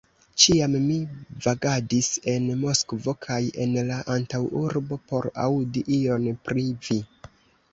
Ĉiam mi vagadis en Moskvo kaj en la antaŭurbo, por aŭdi ion pri vi!